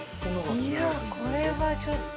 ・いやこれはちょっと。